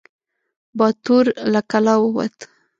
باتور له کلا ووت.